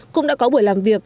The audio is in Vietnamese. cũng đã có buổi làm việc